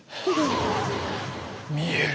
見える。